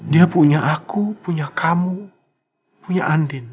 dia punya aku punya kamu punya andin